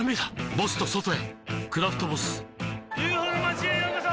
ボスと外へ「クラフトボス」ＵＦＯの町へようこそ！